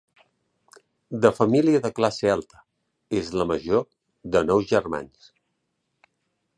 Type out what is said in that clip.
De família de classe alta, és la major de nou germans.